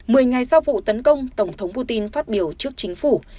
mười ngày sau vụ tấn công tổng thống putin phát biểu trước chính phủ